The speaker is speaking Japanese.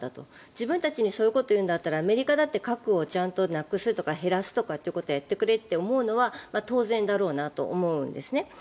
自分たちにそういうことを言うならアメリカだって核をちゃんとなくすとか減らすということをやってくれって思うのは当然だろうなと思うんですね。